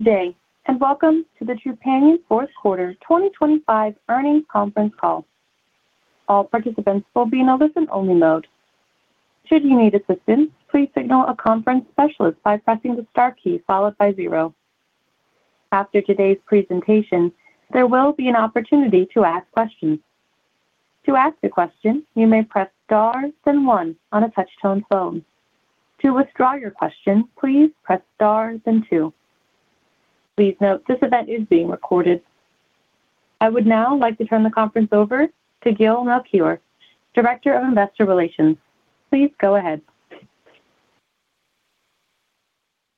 Good day, and welcome to the Trupanion fourth quarter 2025 earnings conference call. All participants will be in a listen-only mode. Should you need assistance, please signal a conference specialist by pressing the star key followed by zero. After today's presentation, there will be an opportunity to ask questions. To ask a question, you may press star then one on a touch-tone phone. To withdraw your question, please press star then two. Please note, this event is being recorded. I would now like to turn the conference over to Gil Melchior, Director of Investor Relations. Please go ahead.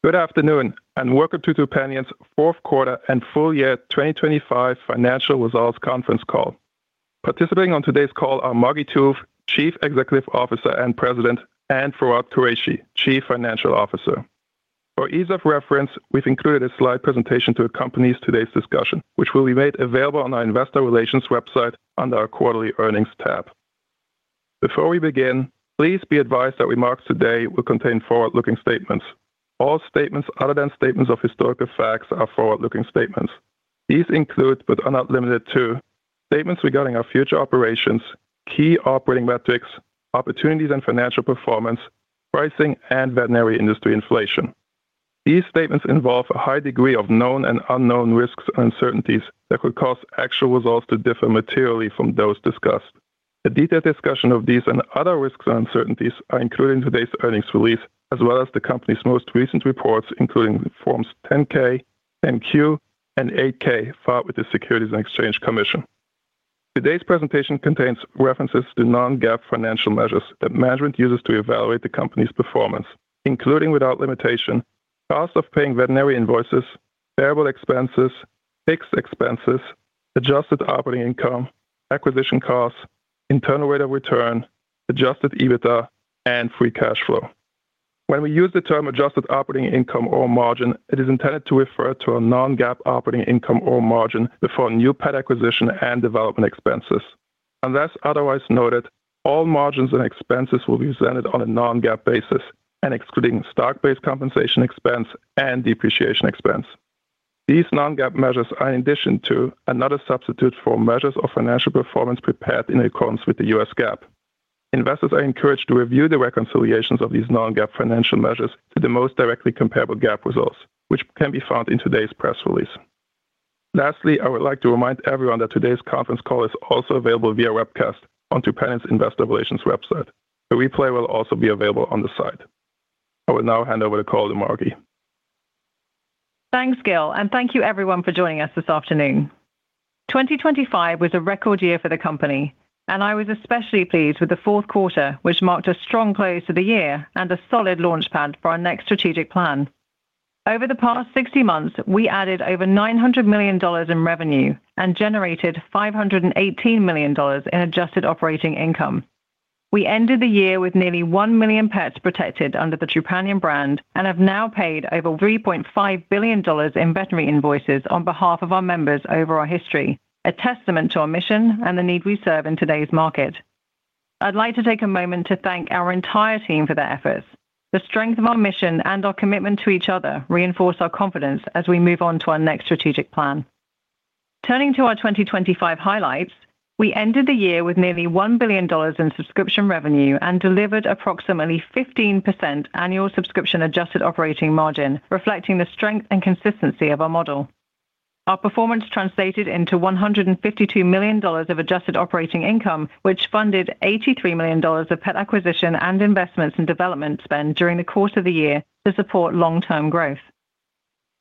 Good afternoon, and welcome to Trupanion's fourth quarter and full year 2025 financial results conference call. Participating on today's call are Margi Tooth, Chief Executive Officer and President, and Fawwad Qureshi, Chief Financial Officer. For ease of reference, we've included a slide presentation to accompany today's discussion, which will be made available on our investor relations website under our quarterly earnings tab. Before we begin, please be advised that remarks today will contain forward-looking statements. All statements other than statements of historical facts are forward-looking statements. These include, but are not limited to, statements regarding our future operations, key operating metrics, opportunities and financial performance, pricing, and veterinary industry inflation. These statements involve a high degree of known and unknown risks and uncertainties that could cause actual results to differ materially from those discussed. A detailed discussion of these and other risks and uncertainties are included in today's earnings release, as well as the company's most recent reports, including Forms 10-K, 10-Q, and 8-K, filed with the Securities and Exchange Commission. Today's presentation contains references to non-GAAP financial measures that management uses to evaluate the company's performance, including without limitation, cost of paying veterinary invoices, variable expenses, adjusted operating income, acquisition costs, internal rate of return, adjusted EBITDA, and free cash flow. When we use adjusted operating income or margin, it is intended to refer to a non-GAAP operating income or margin before new pet acquisition and development expenses. Unless otherwise noted, all margins and expenses will be presented on a non-GAAP basis and excluding stock-based compensation expense and depreciation expense. These non-GAAP measures are in addition to, and not a substitute for, measures of financial performance prepared in accordance with the U.S. GAAP. Investors are encouraged to review the reconciliations of these non-GAAP financial measures to the most directly comparable GAAP results, which can be found in today's press release. Lastly, I would like to remind everyone that today's conference call is also available via webcast on Trupanion's Investor Relations website. A replay will also be available on the site. I will now hand over the call to Margi. Thanks, Gil, and thank you everyone for joining us this afternoon. 2025 was a record year for the company, and I was especially pleased with the fourth quarter, which marked a strong close to the year and a solid launchpad for our next strategic plan. Over the past 60 months, we added over $900 million in revenue and generated $518 adjusted operating income. we ended the year with nearly 1 million pets protected under the Trupanion brand and have now paid over $3.5 billion in veterinary invoices on behalf of our members over our history, a testament to our mission and the need we serve in today's market. I'd like to take a moment to thank our entire team for their efforts. The strength of our mission and our commitment to each other reinforce our confidence as we move on to our next strategic plan. Turning to our 2025 highlights, we ended the year with nearly $1 billion in subscription revenue and delivered approximately 15% adjusted operating margin, reflecting the strength and consistency of our model. Our performance translated into $152 adjusted operating income, which funded $83 million of pet acquisition and investments in development spend during the course of the year to support long-term growth.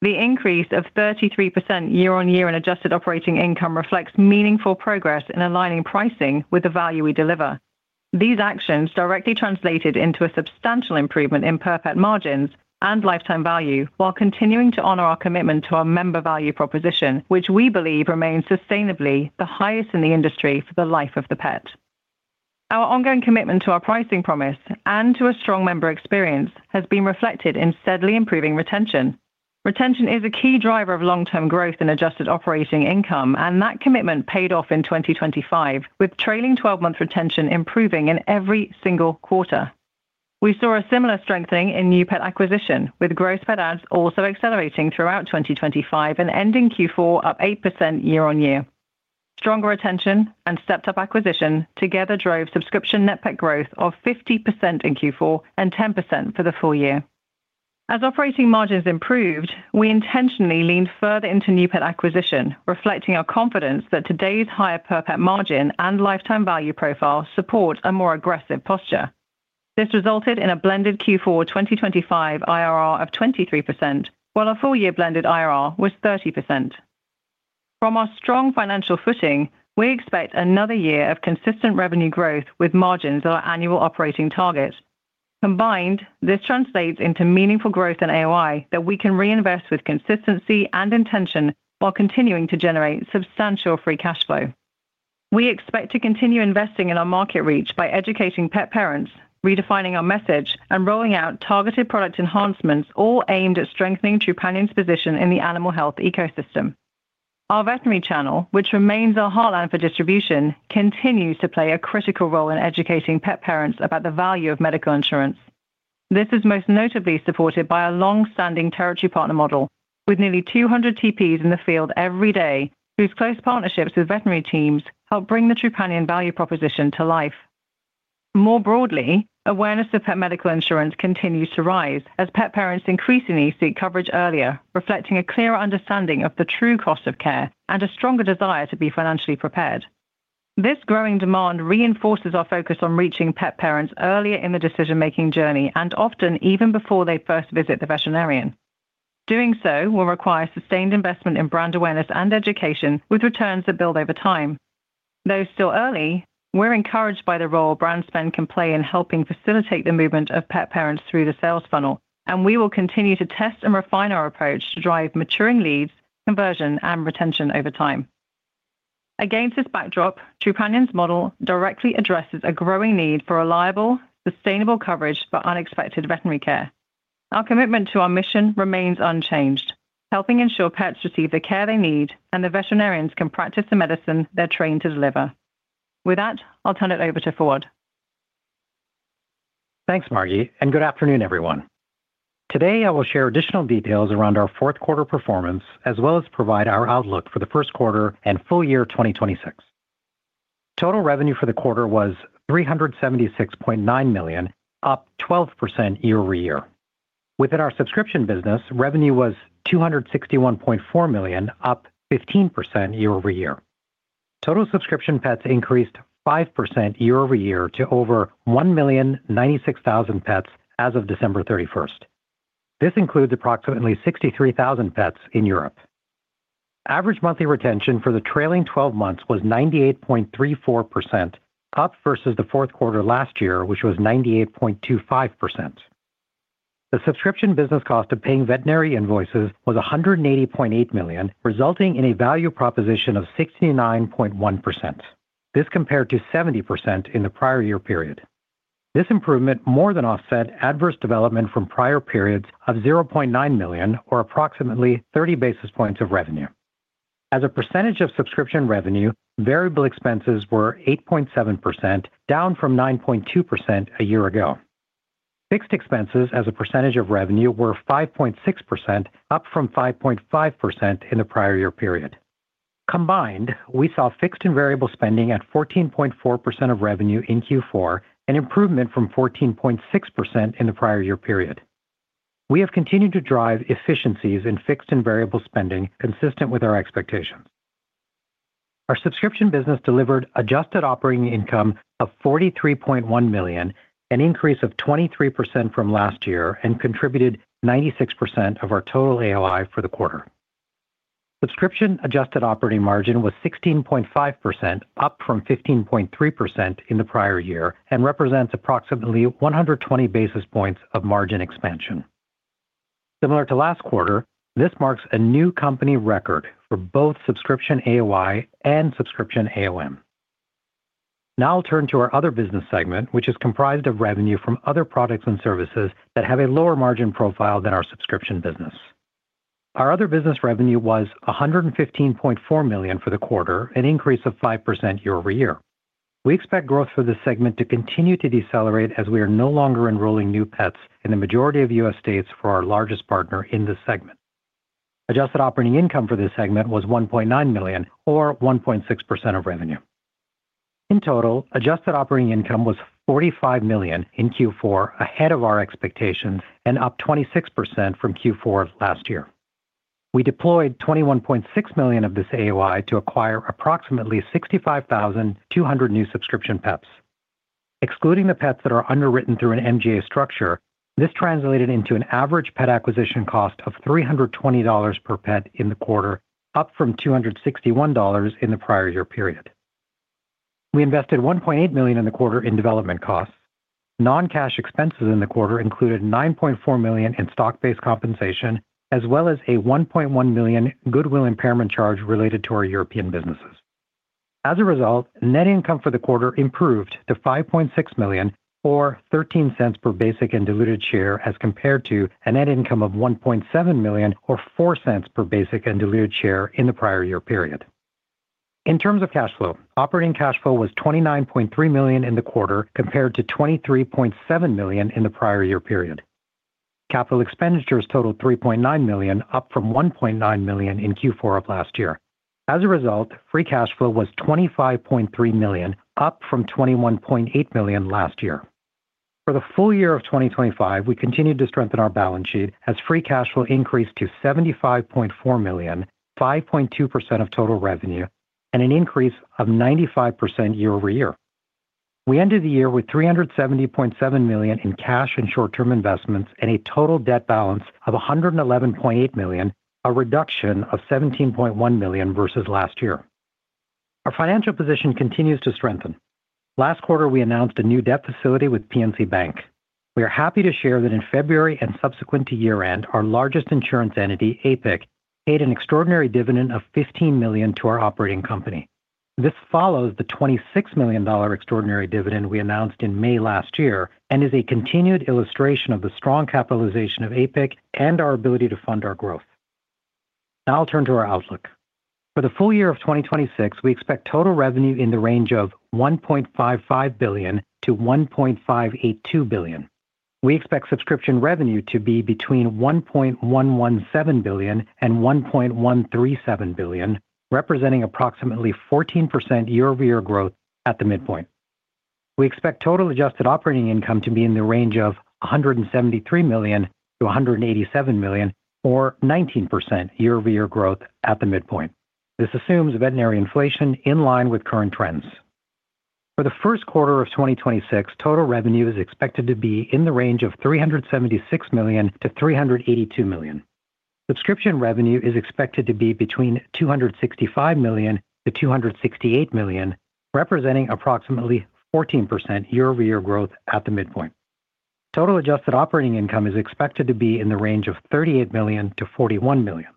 The increase of 33% adjusted operating income reflects meaningful progress in aligning pricing with the value we deliver. These actions directly translated into a substantial improvement in per pet margins and lifetime value, while continuing to honor our commitment to our member value proposition, which we believe remains sustainably the highest in the industry for the life of the pet. Our ongoing commitment to our pricing promise and to a strong member experience has been reflected in steadily improving retention. Retention is a key driver of long-term adjusted operating income, and that commitment paid off in 2025, with trailing twelve-month retention improving in every single quarter. We saw a similar strengthening in new pet acquisition, with gross pet adds also accelerating throughout 2025 and ending Q4 up 8% year-on-year. Stronger retention and stepped-up acquisition together drove subscription net pet growth of 50% in Q4 and 10% for the full year. As operating margins improved, we intentionally leaned further into new pet acquisition, reflecting our confidence that today's higher per pet margin and lifetime value profile support a more aggressive posture. This resulted in a blended Q4 2025 IRR of 23%, while our full-year blended IRR was 30%. From our strong financial footing, we expect another year of consistent revenue growth with margins on our annual operating target. Combined, this translates into meaningful growth in AOI that we can reinvest with consistency and intention while continuing to generate substantial free cash flow. We expect to continue investing in our market reach by educating pet parents, redefining our message, and rolling out targeted product enhancements, all aimed at strengthening Trupanion's position in the animal health ecosystem. Our veterinary channel, which remains our heartland for distribution, continues to play a critical role in educating pet parents about the value of medical insurance. This is most notably supported by a long-standing territory partner model, with nearly 200 TPs in the field every day, whose close partnerships with veterinary teams help bring the Trupanion value proposition to life. More broadly, awareness of pet medical insurance continues to rise as pet parents increasingly seek coverage earlier, reflecting a clearer understanding of the true cost of care and a stronger desire to be financially prepared. This growing demand reinforces our focus on reaching pet parents earlier in the decision-making journey, and often even before they first visit the veterinarian. Doing so will require sustained investment in brand awareness and education, with returns that build over time. Though still early, we're encouraged by the role brand spend can play in helping facilitate the movement of pet parents through the sales funnel, and we will continue to test and refine our approach to drive maturing leads, conversion, and retention over time. Against this backdrop, Trupanion's model directly addresses a growing need for reliable, sustainable coverage for unexpected veterinary care. Our commitment to our mission remains unchanged: helping ensure pets receive the care they need and the veterinarians can practice the medicine they're trained to deliver. With that, I'll turn it over to Fawwad. Thanks, Margi, and good afternoon, everyone. Today, I will share additional details around our fourth quarter performance, as well as provide our outlook for the first quarter and full year 2026. Total revenue for the quarter was $376.9 million, up 12% year-over-year. Within our subscription business, revenue was $261.4 million, up 15% year-over-year. Total subscription pets increased 5% year-over-year to over 1,096,000 pets as of December 31st. This includes approximately 63,000 pets in Europe. Average monthly retention for the trailing 12 months was 98.34%, up versus the fourth quarter last year, which was 98.25%. The subscription business cost of paying veterinary invoices was $180.8 million, resulting in a value proposition of 69.1%. This compared to 70% in the prior year period. This improvement more than offset adverse development from prior periods of $0.9 million or approximately 30 basis points of revenue. As a percentage of subscription revenue, variable expenses were 8.7%, down from 9.2% a year ago. Fixed expenses as a percentage of revenue were 5.6%, up from 5.5% in the prior year period. Combined, we saw fixed and variable spending at 14.4% of revenue in Q4, an improvement from 14.6% in the prior year period. We have continued to drive efficiencies in fixed and variable spending, consistent with our expectations. Our subscription adjusted operating income of $43.1 million, an increase of 23% from last year, and contributed 96% of our total AOI for the quarter. Adjusted operating margin was 16.5%, up from 15.3% in the prior year, and represents approximately 120 basis points of margin expansion. Similar to last quarter, this marks a new company record for both subscription AOI and subscription AOM. Now I'll turn to our other business segment, which is comprised of revenue from other products and services that have a lower margin profile than our subscription business. Our other business revenue was $115.4 million for the quarter, an increase of 5% year-over-year. We expect growth for this segment to continue to decelerate as we are no longer enrolling new pets in the majority of U.S. states for our largest partner in adjusted operating income for this segment was $1.9 million or 1.6% of revenue. In total adjusted operating income was $45 million in Q4, ahead of our expectations and up 26% from Q4 last year. We deployed $21.6 million of this AOI to acquire approximately 65,200 new subscription pets. Excluding the pets that are underwritten through an MGA structure, this translated into an average pet acquisition cost of $320 per pet in the quarter, up from $261 in the prior year period. We invested $1.8 million in the quarter in development costs. Non-cash expenses in the quarter included $9.4 million in stock-based compensation, as well as a $1.1 million goodwill impairment charge related to our European businesses. As a result, net income for the quarter improved to $5.6 million or $0.13 per basic and diluted share, as compared to a net income of $1.7 million or $0.04 per basic and diluted share in the prior year period. In terms of cash flow, operating cash flow was $29.3 million in the quarter, compared to $23.7 million in the prior year period. Capital expenditures totaled $3.9 million, up from $1.9 million in Q4 of last year. As a result, free cash flow was $25.3 million, up from $21.8 million last year. For the full year of 2025, we continued to strengthen our balance sheet as free cash flow increased to $75.4 million, 5.2% of total revenue, and an increase of 95% year-over-year. We ended the year with $370.7 million in cash and short-term investments, and a total debt balance of $111.8 million, a reduction of $17.1 million versus last year. Our financial position continues to strengthen. Last quarter, we announced a new debt facility with PNC Bank. We are happy to share that in February and subsequent to year-end, our largest insurance entity, APIC, paid an extraordinary dividend of $15 million to our operating company. This follows the $26 million extraordinary dividend we announced in May last year and is a continued illustration of the strong capitalization of APIC and our ability to fund our growth. Now I'll turn to our outlook. For the full year of 2026, we expect total revenue in the range of $1.55 billion-$1.582 billion. We expect subscription revenue to be between $1.117 billion and $1.137 billion, representing approximately 14% year-over-year growth at the midpoint. We adjusted operating income to be in the range of $173 million-$187 million, or 19% year-over-year growth at the midpoint. This assumes veterinary inflation in line with current trends. For the first quarter of 2026, total revenue is expected to be in the range of $376 million-$382 million. Subscription revenue is expected to be between $265 million to $268 million, representing approximately 14% year-over-year growth at the midpoint. Adjusted operating income is expected to be in the range of $38 million-$41 million.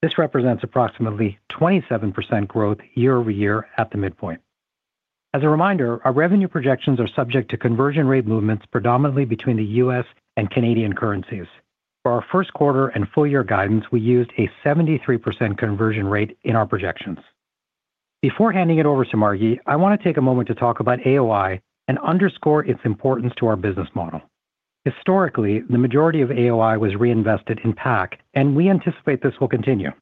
This represents approximately 27% growth year-over-year at the midpoint. As a reminder, our revenue projections are subject to conversion rate movements, predominantly between the U.S. and Canadian currencies. For our first quarter and full year guidance, we used a 73% conversion rate in our projections. Before handing it over to Margi, I want to take a moment to talk about AOI and underscore its importance to our business model. Historically, the majority of AOI was reinvested in PAC, and we anticipate this will continue.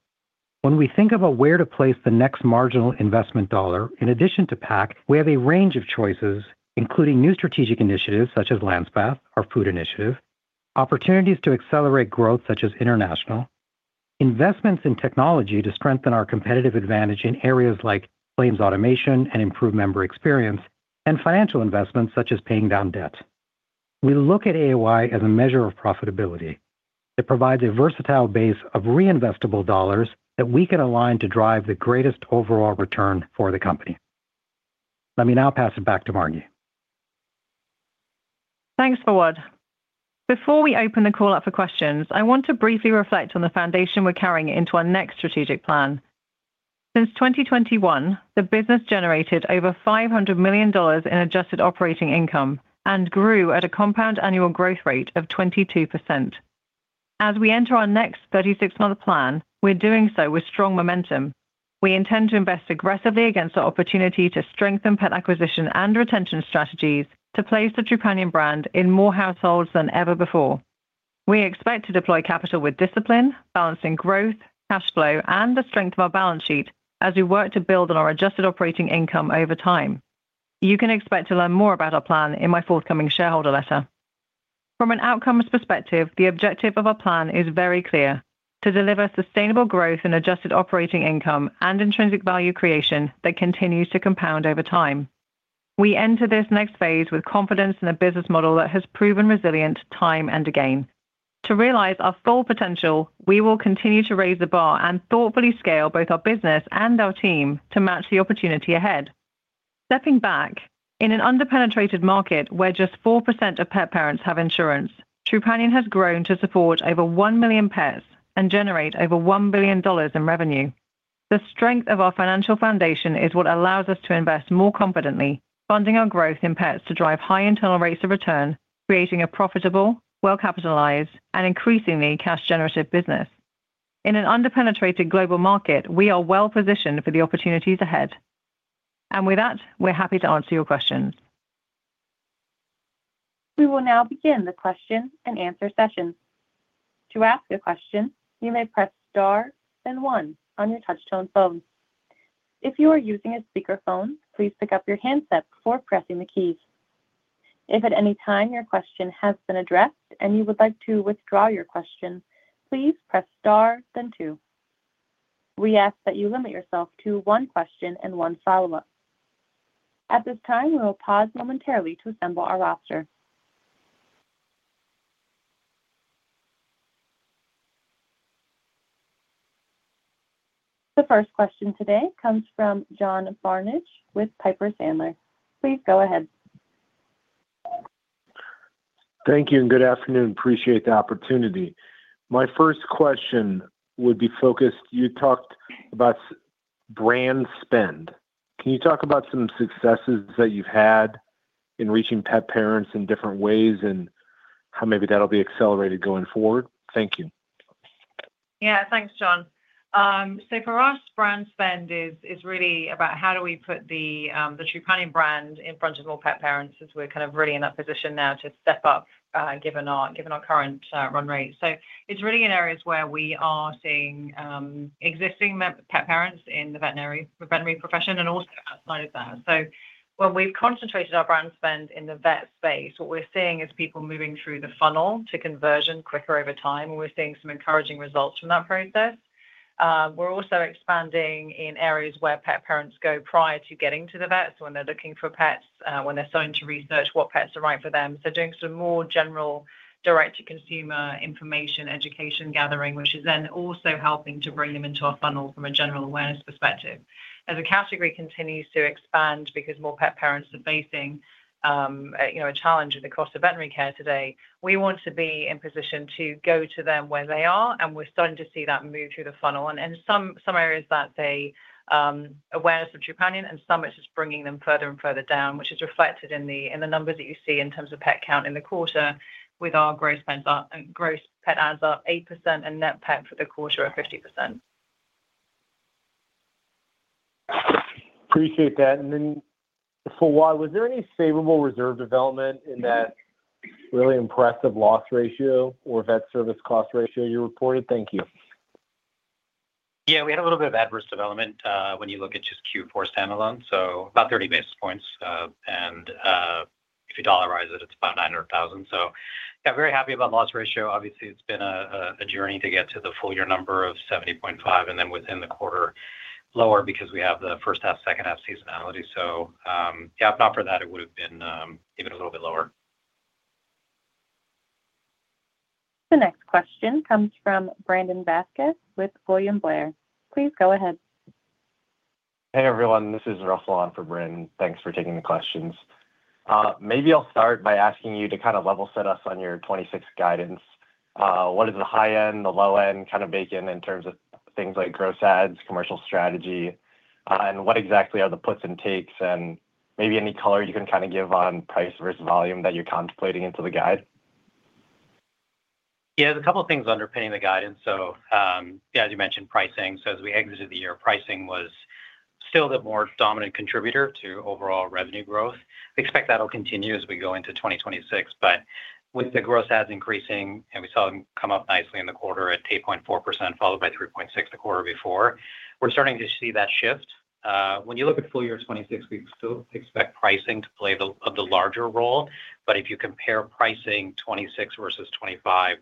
When we think about where to place the next marginal investment dollar, in addition to PAC, we have a range of choices, including new strategic initiatives such as Landspath, our food initiative, opportunities to accelerate growth such as international, investments in technology to strengthen our competitive advantage in areas like claims automation and improved member experience, and financial investments such as paying down debt. We look at AOI as a measure of profitability. It provides a versatile base of reinvestable dollars that we can align to drive the greatest overall return for the company. Let me now pass it back to Margi. Thanks, Fawwad. Before we open the call up for questions, I want to briefly reflect on the foundation we're carrying into our next strategic plan. Since 2021, the business generated over $500 adjusted operating income and grew at a compound annual growth rate of 22%. As we enter our next 36-month plan, we're doing so with strong momentum. We intend to invest aggressively against the opportunity to strengthen pet acquisition and retention strategies to place the Trupanion brand in more households than ever before. We expect to deploy capital with discipline, balancing growth, cash flow, and the strength of our balance sheet as we work to build adjusted operating income over time. You can expect to learn more about our plan in my forthcoming shareholder letter. From an outcomes perspective, the objective of our plan is very clear: to deliver sustainable adjusted operating income and intrinsic value creation that continues to compound over time. We enter this next phase with confidence in a business model that has proven resilient time and again. To realize our full potential, we will continue to raise the bar and thoughtfully scale both our business and our team to match the opportunity ahead. Stepping back, in an underpenetrated market where just 4% of pet parents have insurance, Trupanion has grown to support over 1 million pets and generate over $1 billion in revenue. The strength of our financial foundation is what allows us to invest more confidently, funding our growth in pets to drive high internal rates of return, creating a profitable, well-capitalized, and increasingly cash-generative business. In an underpenetrated global market, we are well positioned for the opportunities ahead. With that, we're happy to answer your questions. We will now begin the question and answer session. To ask a question, you may press Star then one on your touchtone phone. If you are using a speakerphone, please pick up your handset before pressing the keys. If at any time your question has been addressed and you would like to withdraw your question, please press Star then two. We ask that you limit yourself to one question and one follow-up. At this time, we will pause momentarily to assemble our roster. The first question today comes from John Barnidge with Piper Sandler. Please go ahead. Thank you, and good afternoon. Appreciate the opportunity. My first question would be focused... You talked about brand spend. Can you talk about some successes that you've had in reaching pet parents in different ways and how maybe that'll be accelerated going forward? Thank you. Yeah, thanks, John. So for us, brand spend is really about how do we put the Trupanion brand in front of more pet parents, as we're kind of really in that position now to step up, given our current run rate. So it's really in areas where we are seeing existing pet parents in the veterinary profession and also outside of that. So when we've concentrated our brand spend in the vet space, what we're seeing is people moving through the funnel to conversion quicker over time, and we're seeing some encouraging results from that process. We're also expanding in areas where pet parents go prior to getting to the vets, when they're looking for pets, when they're starting to research what pets are right for them. So doing some more general direct-to-consumer information, education gathering, which is then also helping to bring them into our funnel from a general awareness perspective. As the category continues to expand, because more pet parents are facing, you know, a challenge with the cost of veterinary care today, we want to be in position to go to them where they are, and we're starting to see that move through the funnel. And in some areas, that's awareness of Trupanion, and some it's just bringing them further and further down, which is reflected in the numbers that you see in terms of pet count in the quarter with our gross pet adds are 8% and net pet for the quarter are 50%. Appreciate that. And then for Fawwad was there any favorable reserve development in that really impressive loss ratio or vet service cost ratio you reported? Thank you. Yeah, we had a little bit of adverse development when you look at just Q4 standalone, so about 30 basis points. And if you dollarize it, it's about $900,000. So yeah, very happy about the loss ratio. Obviously, it's been a journey to get to the full year number of 70.5%, and then within the quarter lower, because we have the first half, second half seasonality. So, yeah, if not for that, it would have been even a little bit lower. The next question comes from Brandon Vazquez with William Blair. Please go ahead. Hey, everyone, this is Russell on for Brandon. Thanks for taking the questions. Maybe I'll start by asking you to kind of level set us on your 2026 guidance. What is the high end, the low end, kind of bake in, in terms of things like gross adds, commercial strategy? And what exactly are the puts and takes and maybe any color you can kind of give on price versus volume that you're contemplating into the guide? Yeah, there's a couple of things underpinning the guidance. So, yeah, as you mentioned, pricing. So as we exited the year, pricing was still the more dominant contributor to overall revenue growth. We expect that'll continue as we go into 2026, but with the gross adds increasing, and we saw them come up nicely in the quarter at 8.4%, followed by 3.6% the quarter before, we're starting to see that shift. When you look at full year 2026, we still expect pricing to play the, the larger role, but if you compare pricing 2026 versus 2025,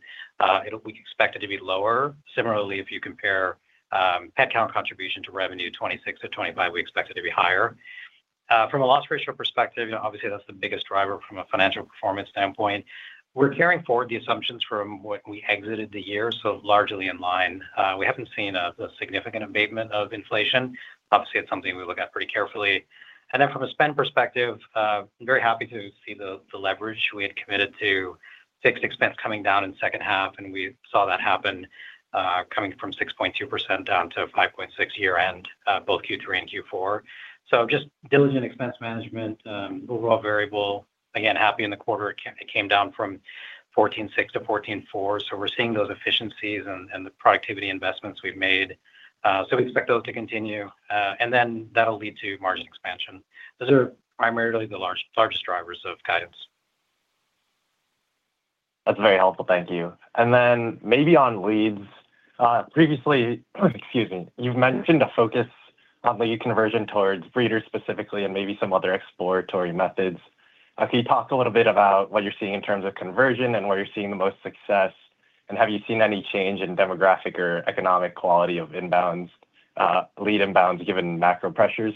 we expect it to be lower. Similarly, if you compare, pet count contribution to revenue, 2026 to 2025, we expect it to be higher. From a loss ratio perspective, obviously, that's the biggest driver from a financial performance standpoint. We're carrying forward the assumptions from what we exited the year, so largely in line. We haven't seen a significant abatement of inflation. Obviously, it's something we look at pretty carefully. And then from a spend perspective, very happy to see the, the leverage. We had committed to fixed expense coming down in the second half, and we saw that happen, coming from 6.2% down to 5.6% year-end, both Q3 and Q4. So just diligent expense management, overall variable. Again, happy in the quarter, it came down from 14.6 to 14.4, so we're seeing those efficiencies and, and the productivity investments we've made. So we expect those to continue, and then that'll lead to margin expansion. Those are primarily the largest drivers of guidance. That's very helpful. Thank you. And then maybe on leads. Previously, excuse me, you've mentioned a focus on lead conversion towards breeders specifically and maybe some other exploratory methods. Can you talk a little bit about what you're seeing in terms of conversion and where you're seeing the most success, and have you seen any change in demographic or economic quality of inbounds, lead inbounds, given the macro pressures?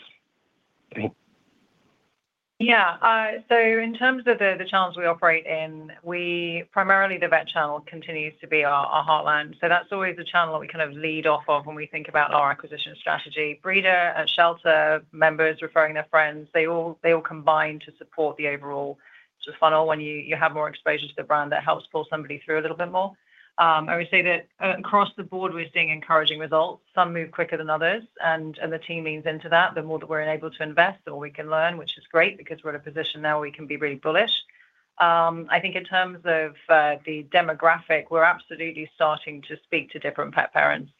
So in terms of the channels we operate in, we primarily, the vet channel continues to be our heartland. So that's always the channel that we kind of lead off of when we think about our acquisition strategy. Breeder and shelter members referring their friends, they all combine to support the overall funnel. When you have more exposure to the brand, that helps pull somebody through a little bit more. I would say that across the board, we're seeing encouraging results. Some move quicker than others, and the team leans into that. The more that we're enabled to invest or we can learn, which is great because we're in a position now where we can be really bullish. I think in terms of the demographic, we're absolutely starting to speak to different pet parents.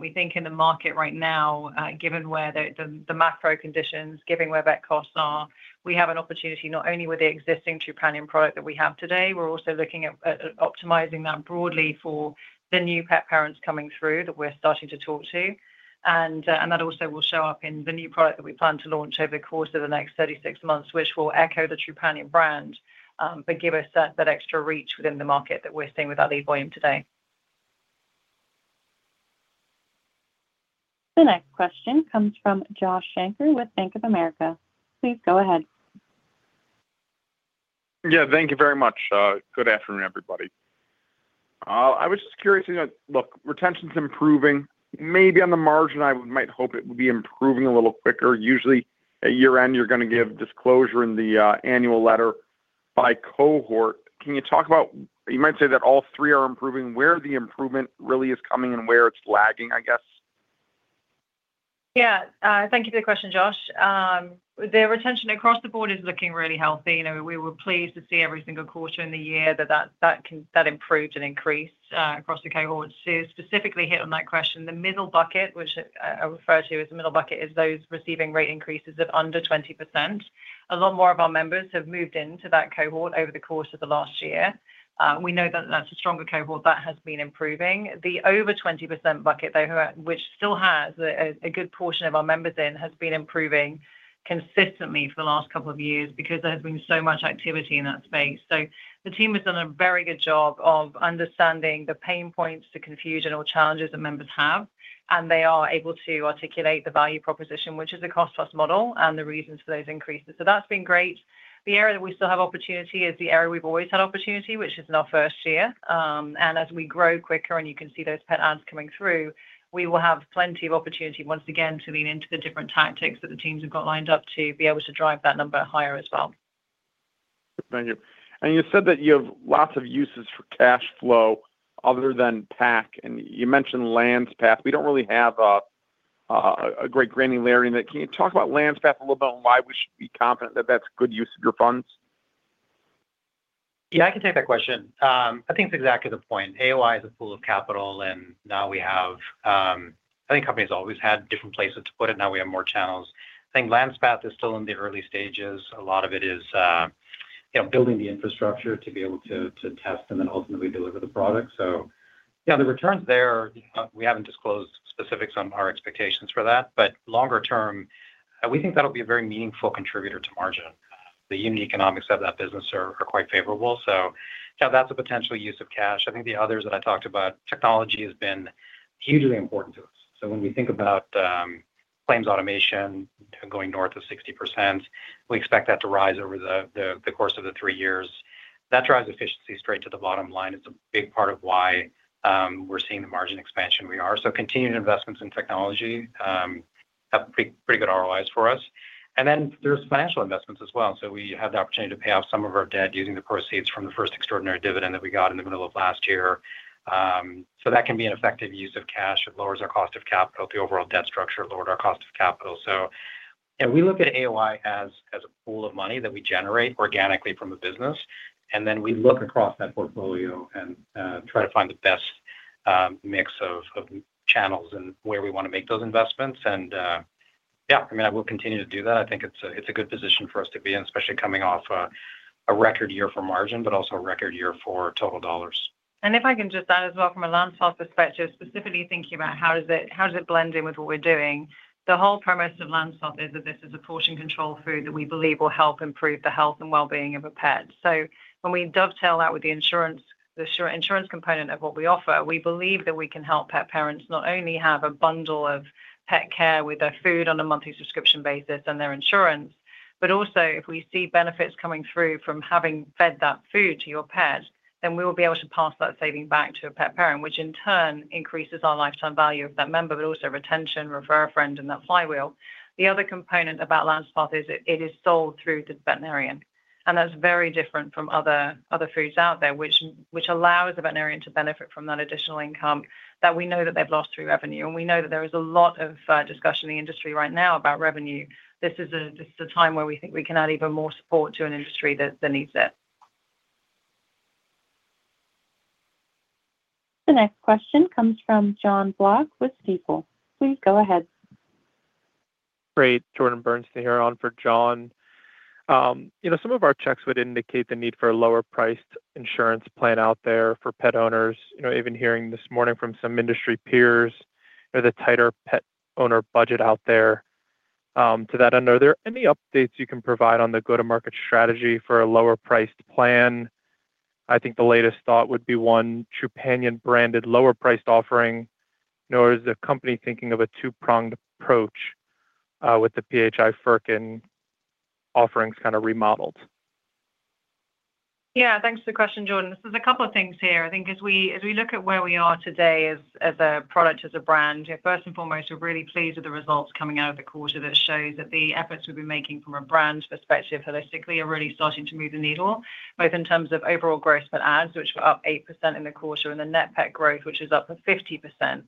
We think in the market right now, given where the macro conditions, given where vet costs are, we have an opportunity not only with the existing Trupanion product that we have today, we're also looking at optimizing that broadly for the new pet parents coming through that we're starting to talk to. That also will show up in the new product that we plan to launch over the course of the next 36 months, which will echo the Trupanion brand, but give us that extra reach within the market that we're seeing with our lead volume today. The next question comes from Josh Shanker with Bank of America. Please go ahead. Yeah, thank you very much. Good afternoon, everybody. I was just curious, you know, look, retention's improving. Maybe on the margin, I might hope it would be improving a little quicker. Usually, at year-end, you're gonna give disclosure in the annual letter by cohort. Can you talk about... You might say that all three are improving, where the improvement really is coming and where it's lagging, I guess? Yeah. Thank you for the question, Josh. The retention across the board is looking really healthy, and we were pleased to see every single quarter in the year that improved and increased across the cohorts. To specifically hit on that question, the middle bucket, which I refer to as the middle bucket, is those receiving rate increases of under 20%. A lot more of our members have moved into that cohort over the course of the last year. We know that that's a stronger cohort that has been improving. The over 20% bucket, though, which still has a good portion of our members in, has been improving consistently for the last couple of years because there has been so much activity in that space. So the team has done a very good job of understanding the pain points, the confusion, or challenges that members have, and they are able to articulate the value proposition, which is a cost plus model, and the reasons for those increases. That's been great. The area that we still have opportunity is the area we've always had opportunity, which is in our first year. As we grow quicker and you can see those pet adds coming through, we will have plenty of opportunity once again to lean into the different tactics that the teams have got lined up to be able to drive that number higher as well. Thank you. And you said that you have lots of uses for cash flow other than PAC, and you mentioned Landspath. We don't really have a great granularity in that. Can you talk about Landspath a little bit on why we should be confident that that's good use of your funds? Yeah, I can take that question. I think it's exactly the point. AOI is a pool of capital, and now we have, I think companies always had different places to put it, now we have more channels. I think Landspath is still in the early stages. A lot of it is, you know, building the infrastructure to be able to, to test and then ultimately deliver the product. So yeah, the returns there, we haven't disclosed specifics on our expectations for that, but longer term, we think that'll be a very meaningful contributor to margin. The unit economics of that business are quite favorable, so yeah, that's a potential use of cash. I think the others that I talked about, technology has been hugely important to us. So when we think about, claims automation going north of 60%, we expect that to rise over the course of the three years. That drives efficiency straight to the bottom line. It's a big part of why, we're seeing the margin expansion we are. So continued investments in technology, have pretty good ROIs for us. And then there's financial investments as well. So we have the opportunity to pay off some of our debt using the proceeds from the first extraordinary dividend that we got in the middle of last year. So that can be an effective use of cash. It lowers our cost of capital, the overall debt structure, lower our cost of capital. So yeah, we look at AOI as a pool of money that we generate organically from a business, and then we look across that portfolio and try to find the best mix of channels and where we wanna make those investments. And yeah, I mean, I will continue to do that. I think it's a good position for us to be in, especially coming off a record year for margin, but also a record year for total dollars. And if I can just add as well from a Landspath perspective, specifically thinking about how does it blend in with what we're doing? The whole premise of Landspath is that this is a portion control food that we believe will help improve the health and wellbeing of a pet. So when we dovetail that with the insurance, the insurance component of what we offer, we believe that we can help pet parents not only have a bundle of pet care with their food on a monthly subscription basis and their insurance, but also, if we see benefits coming through from having fed that food to your pet, then we will be able to pass that saving back to a pet parent, which in turn increases our lifetime value of that member, but also retention, refer a friend, and that flywheel. The other component about Landspath is it is sold through the veterinarian, and that's very different from other foods out there, which allows the veterinarian to benefit from that additional income that we know that they've lost through revenue. And we know that there is a lot of discussion in the industry right now about revenue. This is a time where we think we can add even more support to an industry that needs it. The next question comes from Jon Block with Stifel. Please go ahead. Great. Jordan Bernstein here on for Jon. You know, some of our checks would indicate the need for a lower priced insurance plan out there for pet owners. You know, even hearing this morning from some industry peers, you know, the tighter pet owner budget out there. To that end, are there any updates you can provide on the go-to-market strategy for a lower priced plan? I think the latest thought would be one Trupanion-branded, lower priced offering. You know, is the company thinking of a two-pronged approach, with the PHI Direct and offerings kind of remodeled? Yeah, thanks for the question, Jordan. This is a couple of things here. I think as we, as we look at where we are today as, as a product, as a brand, first and foremost, we're really pleased with the results coming out of the quarter that shows that the efforts we've been making from a brand perspective holistically are really starting to move the needle, both in terms of overall growth, but ads, which were up 8% in the quarter, and the net pet growth, which is up to 50%.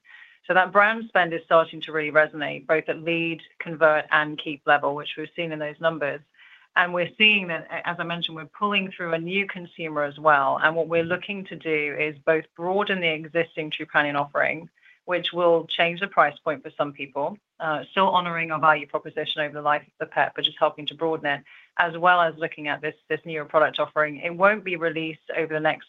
So that brand spend is starting to really resonate, both at lead, convert, and keep level, which we've seen in those numbers. And we're seeing that, as I mentioned, we're pulling through a new consumer as well. And what we're looking to do is both broaden the existing Trupanion offering, which will change the price point for some people, still honoring our value proposition over the life of the pet, but just helping to broaden it, as well as looking at this newer product offering. It won't be released over the next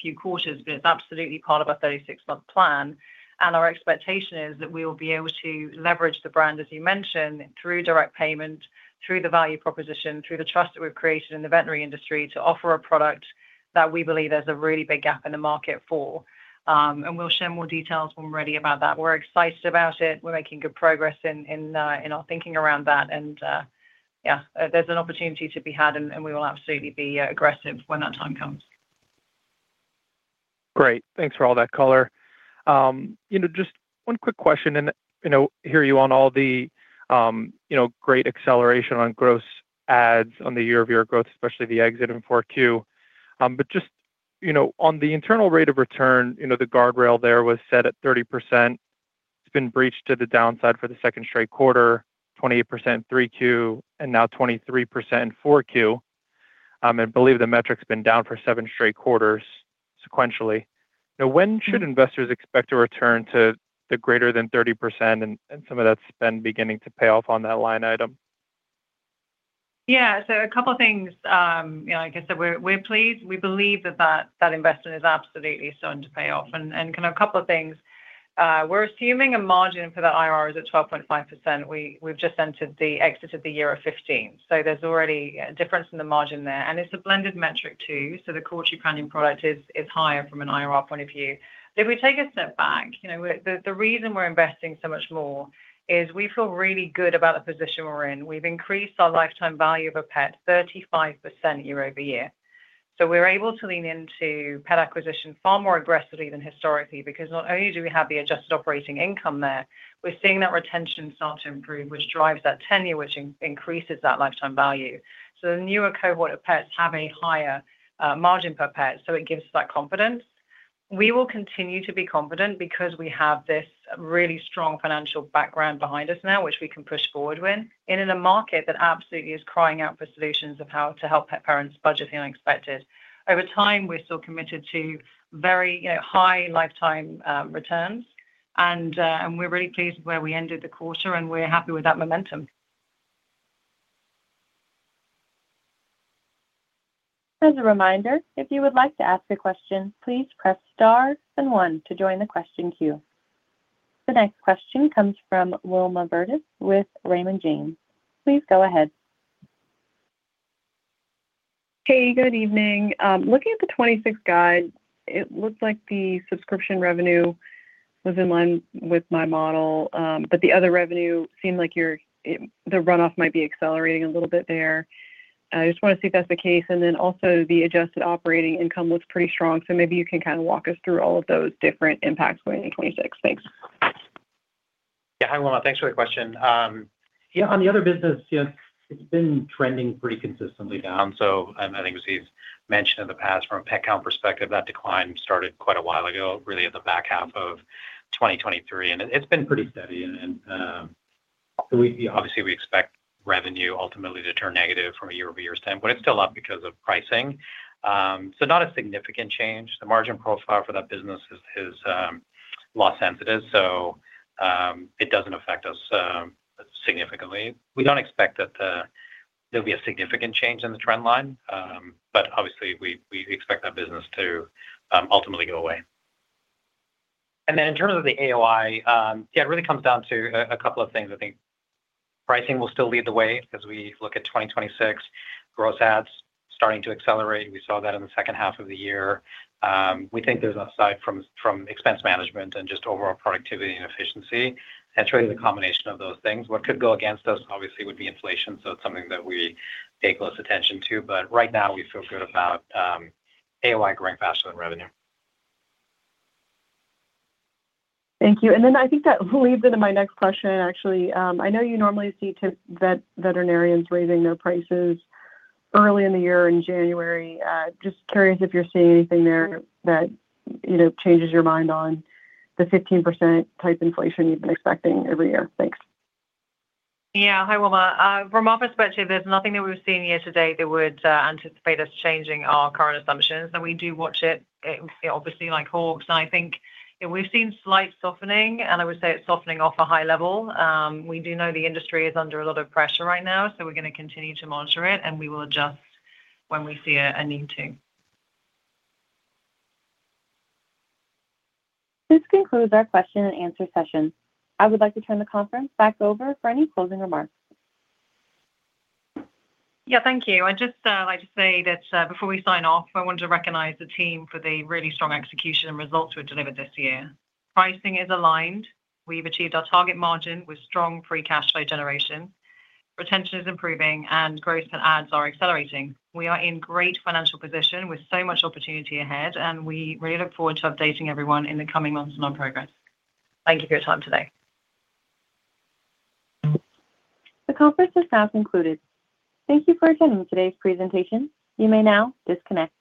few quarters, but it's absolutely part of our 36-month plan. And our expectation is that we will be able to leverage the brand, as you mentioned, through direct payment, through the value proposition, through the trust that we've created in the veterinary industry, to offer a product that we believe there's a really big gap in the market for. And we'll share more details when we're ready about that. We're excited about it. We're making good progress in our thinking around that. Yeah, there's an opportunity to be had, and we will absolutely be aggressive when that time comes. Great. Thanks for all that color. You know, just one quick question, and, you know, hear you on all the, you know, great acceleration on gross adds on the year-over-year growth, especially the exit in Q4. But just, you know, on the internal rate of return, you know, the guardrail there was set at 30%. It's been breached to the downside for the second straight quarter, 28% Q3, and now 23% in Q4. I believe the metric's been down for seven straight quarters sequentially. Now, when should investors expect to return to the greater than 30% and, and some of that spend beginning to pay off on that line item? Yeah. So a couple things, you know, like I said, we're pleased. We believe that investment is absolutely starting to pay off. And kind of a couple of things, we're assuming a margin for the IRR is at 12.5%. We've just entered the exit of the year of 15, so there's already a difference in the margin there. And it's a blended metric too, so the core Trupanion product is higher from an IRR point of view. If we take a step back, you know, the reason we're investing so much more is we feel really good about the position we're in. We've increased our lifetime value of a pet 35% year-over-year. So we're able to lean into pet acquisition far more aggressively than historically, because not only do we adjusted operating income there, we're seeing that retention start to improve, which drives that tenure, which increases that lifetime value. So the newer cohort of pets have a higher margin per pet, so it gives us that confidence. We will continue to be confident because we have this really strong financial background behind us now, which we can push forward with, and in a market that absolutely is crying out for solutions of how to help pet parents budget the unexpected. Over time, we're still committed to very, you know, high lifetime returns. And we're really pleased with where we ended the quarter, and we're happy with that momentum. As a reminder, if you would like to ask a question, please press Star and One to join the question queue. The next question comes from Wilma Burdis with Raymond James. Please go ahead. Hey, good evening. Looking at the 2026 guide, it looks like the subscription revenue was in line with my model. But the other revenue seemed like the runoff might be accelerating a little bit there. I just want to see if that's the case, and then adjusted operating income looks pretty strong. So maybe you can kind of walk us through all of those different impacts going into 2026. Thanks. Yeah. Hi, Wilma. Thanks for the question. Yeah, on the other business, yes, it's been trending pretty consistently down. So, I think as we've mentioned in the past, from a pet count perspective, that decline started quite a while ago, really in the back half of 2023, and it's been pretty steady. And, so we obviously expect revenue ultimately to turn negative from a year-over-year stand, but it's still up because of pricing. So not a significant change. The margin profile for that business is loss sensitive, so it doesn't affect us significantly. We don't expect that there'll be a significant change in the trend line. But obviously, we expect that business to ultimately go away. And then in terms of the AOI, yeah, it really comes down to a couple of things. I think pricing will still lead the way as we look at 2026. Gross adds starting to accelerate, we saw that in the second half of the year. We think there's an upside from expense management and just overall productivity and efficiency, and it's really the combination of those things. What could go against us, obviously, would be inflation, so it's something that we pay close attention to, but right now we feel good about AOI growing faster than revenue. Thank you. And then I think that leads into my next question, actually. I know you normally see veterinarians raising their prices early in the year, in January. Just curious if you're seeing anything there that, you know, changes your mind on the 15% type inflation you've been expecting every year. Thanks. Yeah. Hi, Wilma. From our perspective, there's nothing that we've seen year-to-date that would anticipate us changing our current assumptions, and we do watch it obviously like hawks. And I think, yeah, we've seen slight softening, and I would say it's softening off a high level. We do know the industry is under a lot of pressure right now, so we're going to continue to monitor it, and we will adjust when we see a need to. This concludes our question and answer session. I would like to turn the conference back over for any closing remarks. Yeah, thank you. I'd just like to say that before we sign off, I wanted to recognize the team for the really strong execution and results we've delivered this year. Pricing is aligned. We've achieved our target margin with strong free cash flow generation. Retention is improving, and growth and adds are accelerating. We are in great financial position with so much opportunity ahead, and we really look forward to updating everyone in the coming months on our progress. Thank you for your time today. The conference is now concluded. Thank you for attending today's presentation. You may now disconnect.